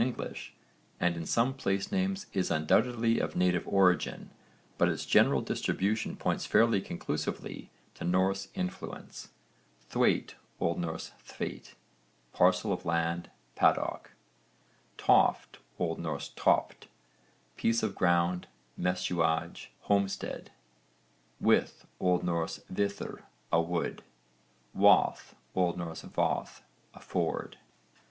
E. and in some place names is undoubtedly of native origin, but its general distribution points fairly conclusively to Norse influence. THWAITE. O.N. þveit, parcel of land, paddock. TOFT. O.N. topt, piece of ground, messuage, homestead. WITH. O.N. viðr, a wood. WATH. O.N. vað, a ford.